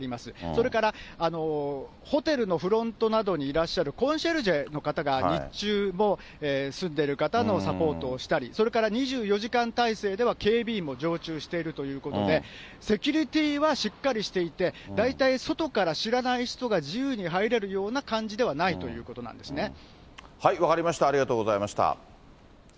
それからホテルのフロントなどにいらっしゃるコンシェルジェの方が日中も住んでる方のサポートをしたり、それから２４時間態勢では警備員も常駐しているということで、セキュリティーはしっかりしていて、大体、外から知らない人が自由に入れるような感じではないということな分かりました、ありがとうございました。